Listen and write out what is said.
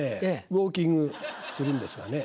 ウオーキングするんですがね。